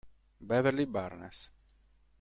Beverly Barnes